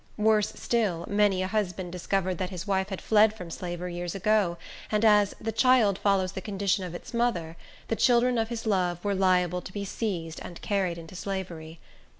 Worse still, many a husband discovered that his wife had fled from slavery years ago, and as "the child follows the condition of its mother," the children of his love were liable to be seized and carried into slavery.